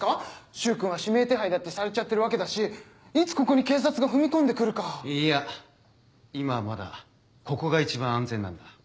柊君は指名手配だってされちゃってるわけだしいつここに警察が踏み込んで来るか。いいや今はまだここが一番安全なんだ。